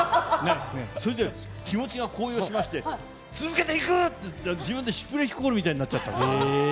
それで気持ちが高揚しまして、続けていくって、自分でシュプレヒコールみたいになっちゃったんですよ。